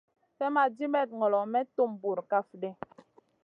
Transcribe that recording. Slèmma dibèt ŋolo may tum bura kaf ɗi.